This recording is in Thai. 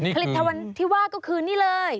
ผลิตภัณฑ์ที่ว่าก็คือนี่เลย